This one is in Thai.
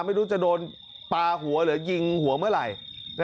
ไม่รู้จะโดนปลาหัวหรือยิงหัวเมื่อไหร่